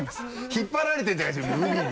引っ張られてるじゃない「うみ」に。